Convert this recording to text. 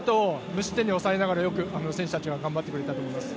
無失点に抑えながらよく選手たち、頑張ってくれたと思います。